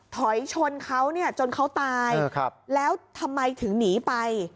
ถอยชนเขาเนี่ยจนเขาตายแล้วทำไมถึงหนีไป